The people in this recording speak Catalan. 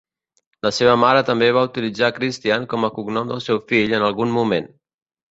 La seva mare també va utilitzar Christian com a cognom del seu fill en algun moment.